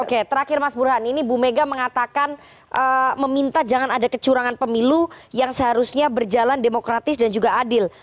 oke terakhir mas burhan ini bu mega mengatakan meminta jangan ada kecurangan pemilu yang seharusnya berjalan demokratis dan juga adil